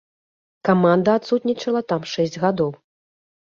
Каманда адсутнічала там шэсць гадоў.